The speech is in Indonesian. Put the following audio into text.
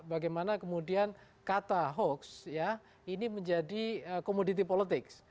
bagaimana kemudian kata hoax ya ini menjadi komoditi politik